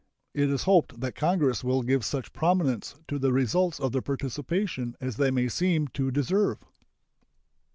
It is hoped that Congress will give such prominence to the results of their participation as they may seem to deserve.